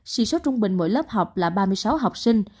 sĩ số trung bình mỗi lớp học là ba mươi sáu học sinh